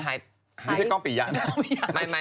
ไม่ใช่กล้องปียะนะ